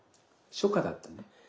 初夏だったね。